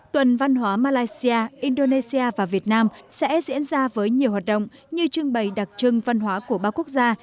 tuần văn hóa malaysia indonesia và việt nam sẽ diễn ra với nhiều hoạt động như trưng bày đặc trưng văn hóa của ba quốc gia